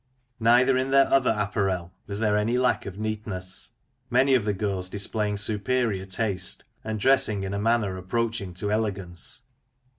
Neither in their other apparel was there any lack of neatness, many of the girls displaying superior taste, and dressing in a manner approaching to elegance.